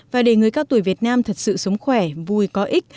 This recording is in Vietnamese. và để người cao tuổi việt nam thật sự sống khỏe vui có ích